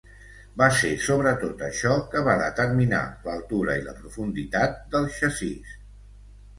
Va ser sobretot això que va determinar l'altura i la profunditat del xassís.